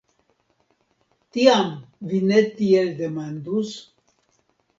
Tiam vi ne tiel demandus?